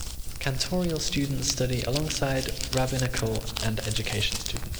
Cantorial students study alongside Rabbinical and Education students.